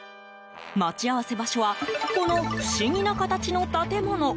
待ち合わせ場所はこの不思議な形の建物。